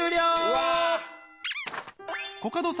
うわ。